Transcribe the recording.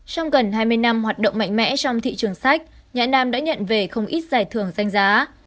trong gần hai mươi năm hoạt động mạnh mẽ trong thị trường sách nhã nam đã nhận về không ít giải thưởng danh giá